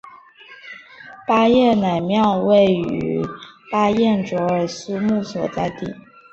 巴彦乃庙位于巴彦淖尔苏木所在地。